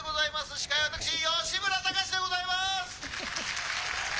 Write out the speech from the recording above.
司会は私吉村崇でございます！」。